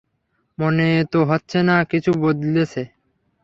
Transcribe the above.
মনে তো হচ্ছে না কিছু বদলেছে।